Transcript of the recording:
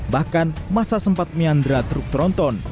bahkan masa sempat menyandra truk tronton